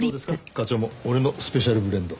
課長も俺のスペシャルブレンド。